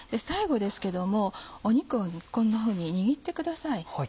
最後ですけども肉をこんなふうに握ってください。